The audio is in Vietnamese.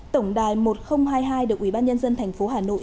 tổng đài một nghìn hai mươi hai được ubnd tp hà nội